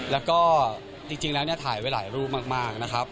แล้วก็จริงแล้วเนี่ยถ่ายไว้หลายรูปมากนะครับ